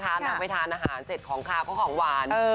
นางไปทานอาหารเสร็จของขาวก็ของหวาน